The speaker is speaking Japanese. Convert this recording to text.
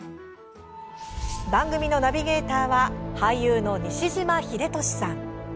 番組のナビゲーターは俳優の西島秀俊さん。